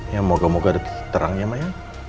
ya moga moga ada titik terangnya maya